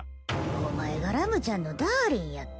お前がラムちゃんのダーリンやって？